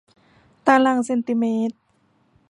ตารางเซนติเมตร